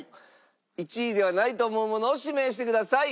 １位ではないと思うものを指名してください。